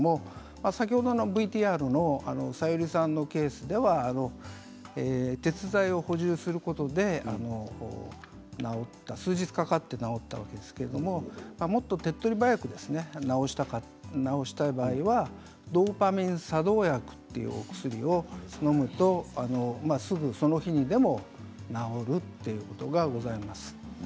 先ほどのＶＴＲのサユリさんのケースでは鉄剤を補充することで数日かかって治ったわけですけどもっと手っ取り早く治したい場合はドーパミン作動薬というお薬をのむと、すぐその日にでも治るということがございます。